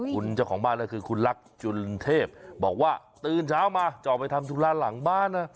คุณเจ้าของบ้านก็คือคุณลักษณ์จุลเทพบอกว่าตื่นเช้ามาจะออกไปทำธุระหลังบ้านนะ